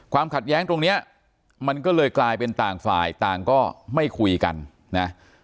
ขัดแย้งตรงนี้มันก็เลยกลายเป็นต่างฝ่ายต่างก็ไม่คุยกันนะ